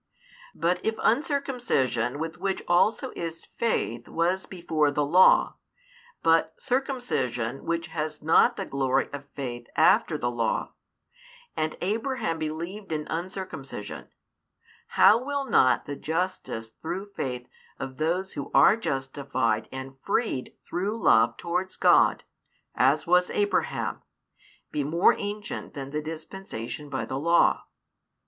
But if uncircumcision with which also is faith was before the Law, but circumcision which has not the glory of faith after the Law, and Abraham believed in uncircumcision, how will not the justice through faith of those who are justified and freed through love towards God, as was Abraham, be more ancient than the dispensation by the Law?